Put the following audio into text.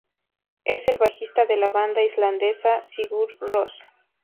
Es el bajista de la banda islandesa Sigur Rós.